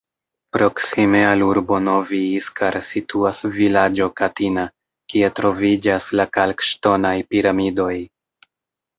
Proksime al urbo Novi Iskar situas vilaĝo Katina, kie troviĝas la kalkŝtonaj piramidoj.